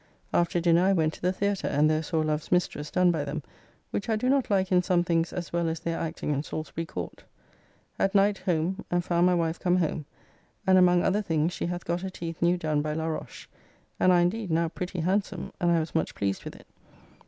After dinner I went to the theatre, and there saw "Love's Mistress" done by them, which I do not like in some things as well as their acting in Salsbury Court. At night home and found my wife come home, and among other things she hath got her teeth new done by La Roche, and are indeed now pretty handsome, and I was much pleased with it.